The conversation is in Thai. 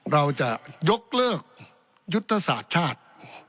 เราจะยกเลิกยุตสาธิชาติ